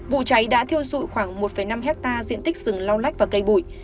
vụ cháy đã thiêu dụi khoảng một năm hectare diện tích rừng lau lách và cây bụi